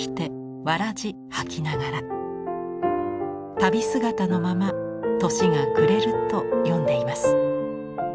旅姿のまま年が暮れると詠んでいます。